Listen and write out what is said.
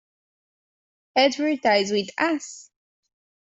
Advertise with us!